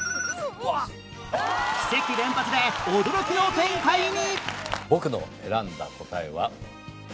奇跡連発で驚きの展開に！